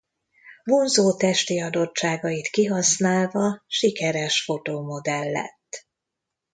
Vonzó testi adottságait kihasználva sikeres fotómodell lett.